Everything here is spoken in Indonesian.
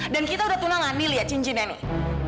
dan kita udah tunang anil ya cincinnya nih